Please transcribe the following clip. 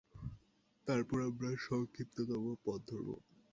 তারপর আমরা সংক্ষিপ্ততম পথ ধরব।